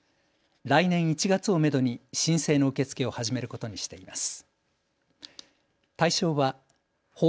来年１月をめどに申請の受け付けを始めることにしています。